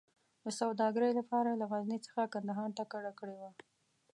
د سوداګرۍ لپاره له غزني څخه کندهار ته کډه کړې وه.